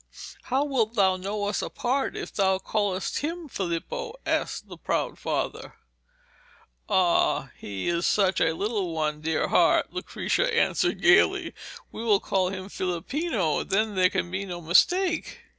'How wilt thou know us apart if thou callest him Filippo?' asked the proud father. 'Ah, he is such a little one, dear heart,' Lucrezia answered gaily. 'We will call him Filippino, and then there can be no mistake.'